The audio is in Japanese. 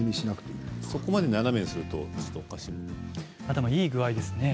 そこまで斜めにするとおかしいですもんね。